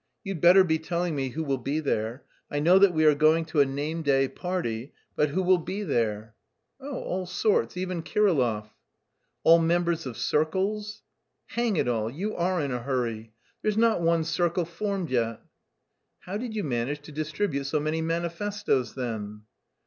You'd better be telling me who will be there. I know that we are going to a name day party, but who will be there?" "Oh, all sorts! Even Kirillov." "All members of circles?" "Hang it all, you are in a hurry! There's not one circle formed yet." "How did you manage to distribute so many manifestoes then?"